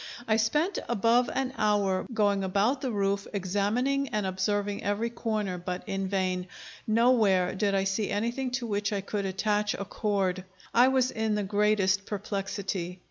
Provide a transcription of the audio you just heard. I spent above an hour going about the roof, examining and observing every corner, but in vain; nowhere did I see anything to which I could attach a cord. I was in the greatest perplexity.